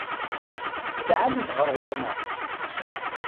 D lεali-t ɣer ɣur-neɣ.